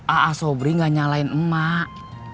aa sobri gak nyalahin emak